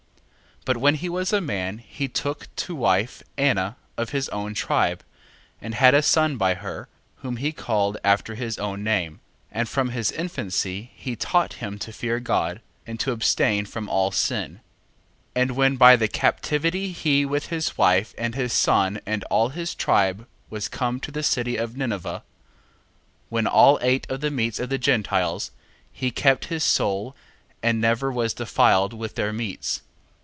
1:9. But when he was a man, he took to wife Anna of his own tribe, and had a son by her, whom he called after his own name, 1:10. And from his infancy he taught him to fear God, and to abstain from all sin. 1:11. And when by the captivity he with his wife and his son and all his tribe was come to the city of Ninive, 1:12. (When all ate of the meats of the Gentiles) he kept his soul and never was defiled with their meats.